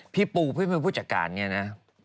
พี่ปูพี่ผู้จักรการเนี่ยนะ